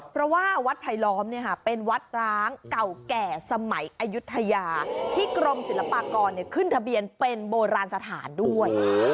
เพราะว่าวัดไผลล้อมเป็นวัดร้างเก่าแก่สมัยอายุทยาที่กรมศิลปากรขึ้นทะเบียนเป็นโบราณสถานด้วย